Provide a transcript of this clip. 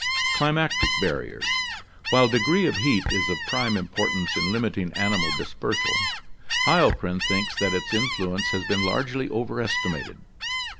Climatic Barriers. — While degree of heat is of prime importance in limiting animal dispersal, Heilprin thinks that its influence has been largely overestimated.